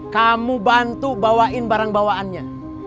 kamu bantu bawain barang bawaannya